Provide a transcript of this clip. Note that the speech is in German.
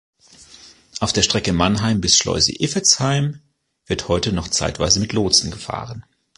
Auf der Strecke Mannheim bis Schleuse Iffezheim wird heute noch zeitweise mit Lotsen gefahren.